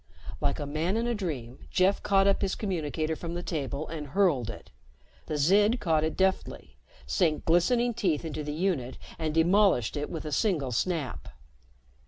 Like a man in a dream, Jeff caught up his communicator from the table and hurled it. The Zid caught it deftly, sank glistening teeth into the unit and demolished it with a single snap.